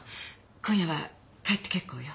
今夜は帰って結構よ。